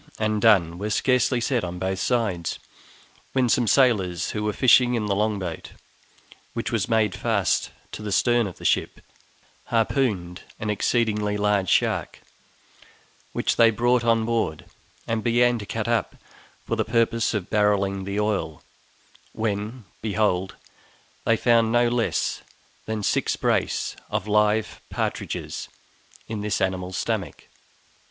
and done! were scarcely said on both sides, when some sailors who were fishing in the long boat, which was made fast to the stern of the ship, harpooned an exceedingly large shark, which they brought on board and began to cut up for the purpose of barrelling the oil, when, behold, they found no less than SIX BRACE OF LIVE PARTRIDGES in this animal's stomach!